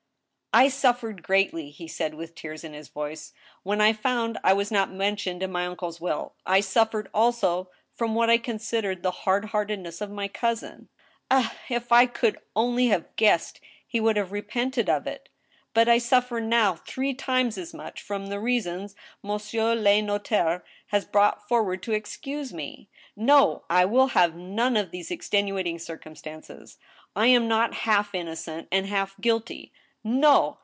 I suffered greatly," he said, with tears in his voice, " when I found I was not mentioned in my uncle's will. I suffered also from what I considered the hard heartedness of my cousin. Ah I if I could only have guessed he would have repented of it !... But I suffer now three times as much from the reasons monsieur U no^ taire has brought forward to excuse me. No ! I will have none of these extenuating circumstances ! I am not half innocent and half guilty ! No